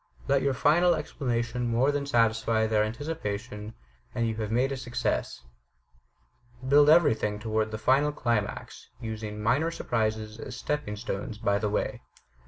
Let your final explanation more than satisfy their anticipation, and you have made a success. Build everything toward the final climax, using minor surprises as stepping stones by the way.